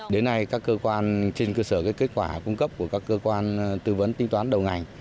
đến nay các cơ quan trên cơ sở kết quả cung cấp của các cơ quan tư vấn tinh toán đầu ngành